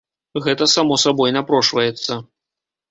Гэта само сабой напрошваецца.